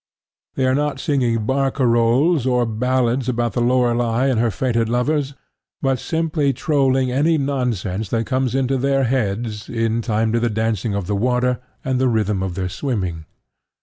They are not singing barcarolles or ballads about the Lorely and her fated lovers, but simply trolling any nonsense that comes into their heads in time to the dancing of the water and the rhythm of their swimming.